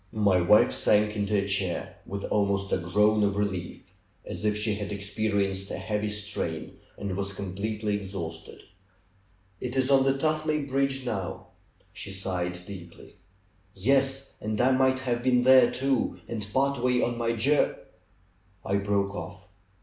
My wife sank into a chair, with almost a groan of relief, as if she had experienced a heavy strain, and was completely exhausted. ^Tt is on the Tuthmay bridge now," she sighed deeply. ^^Yes! And I might have been there, too, and part way on my jour " I broke off.